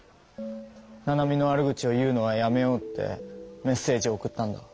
「ナナミの悪口を言うのはやめよう」ってメッセージを送ったんだ。